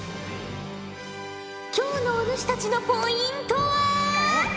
今日のお主たちのポイントは。